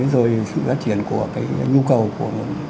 rồi sự phát triển của nhu cầu của